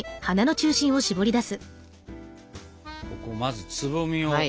ここまずつぼみを。